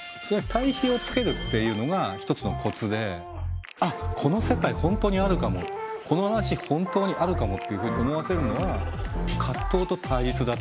対比をつけるっていうのが一つのコツであっこの世界本当にあるかもこの話本当にあるかもっていうふうに思わせるのは葛藤と対立だっていうね。